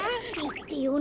いってよ。